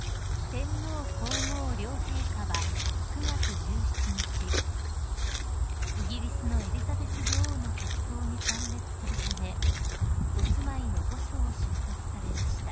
［天皇皇后両陛下は９月１７日イギリスのエリザベス女王の国葬に参列するためお住まいの御所を出発されました］